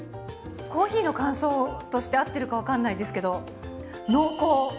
コーヒーの感想として合ってるか分かんないですけど、濃厚。